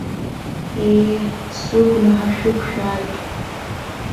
Ее, сыгәнаҳа шәықәшәааит.